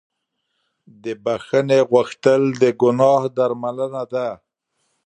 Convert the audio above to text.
د بښنې غوښتل د ګناه درملنه ده.